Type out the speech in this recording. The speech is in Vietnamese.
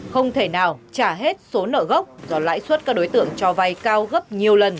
không thể nào trả hết số nợ gốc do lãi suất các đối tượng cho vay cao gấp nhiều lần